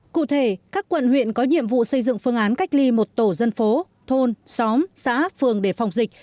cụ thể các quận huyện có nhiệm vụ xây dựng phương án cách ly một tổ dân phố thôn xóm xã phường để phòng dịch